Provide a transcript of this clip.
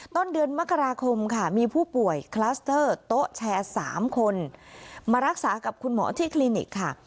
ต้นเดือนมกราคมค่ะมีผู้ป่วยคลัสเตอร์โต๊ะแชร์๓คนมารักษากับคุณหมอที่คลินิกค่ะ